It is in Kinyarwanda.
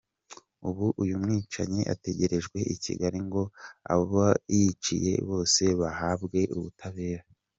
Ubu uyu mwicanyi ategerejwe i Kigali ngo abo yiciye bose bahabwe ubutabera